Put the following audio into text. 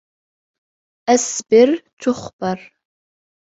أَسْبِرْ تُخْبَرْ